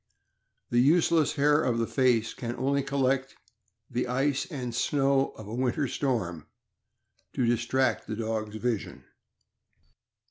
The useless hair of the face can only collect the ice and snow of a winter storm to distract the dog's vision.